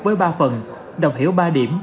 với ba phần đọc hiểu ba điểm